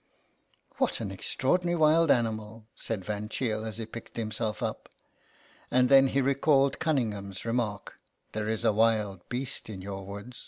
" What an extraordinary wild animal !" said Van Cheele as he picked himself up. And then he recalled Cunningham's remark " There is a wild beast in your woods."